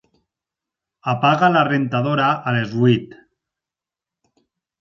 Apaga la rentadora a les vuit.